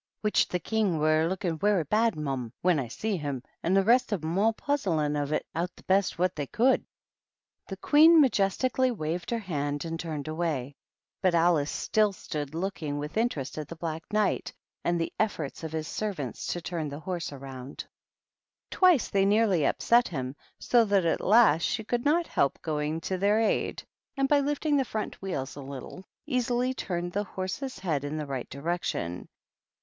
" Wich the King were a looking werry bad, mum, when I see him, and the rest of 'em all puzzling of it out the best what they could." The Queen majestically waved her hand, and turned away; but Alice still stood looking with interest at the Black Knight and the efforts of his servants to turn the horse round. Twice they nearly upset him, so that at last she could not help going to their aid, and by lifting the front wheels a little, easily turned the horse's head in the right direction.